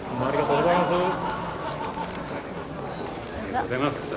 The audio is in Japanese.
ありがとうございます。